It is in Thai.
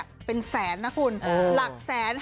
พี่โป๊บธนวัฒน์กันนะ